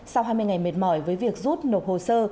sau hai mươi ngày mệt mỏi với việc rút nộp hồ sơ